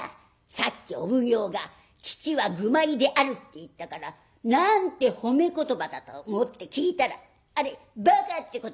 さっきお奉行が『父は愚昧である』って言ったからなんて褒め言葉だと思って聞いたらあればかってことじゃねえか。